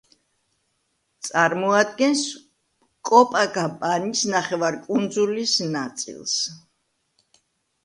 წარმოადგენს კოპაკაბანის ნახევარკუნძულის ნაწილს.